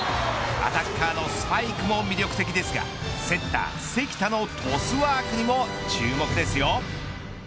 アタッカーのスパイクも魅力的ですがセッター、関田のトスワークにも注目ですよ。